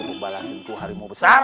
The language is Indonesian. tuker tuker balangi itu harimau besar